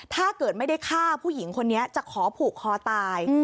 ถ้าเกิดไม่ได้ฆ่าผู้หญิงคนนี้จะขอผูกคอตาย